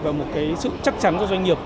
và một cái sự chắc chắn cho doanh nghiệp